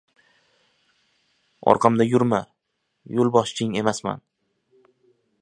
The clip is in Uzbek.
Orqamda yurma, yo‘lboshching emasman.